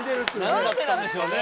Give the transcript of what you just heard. なんでなんでしょうね。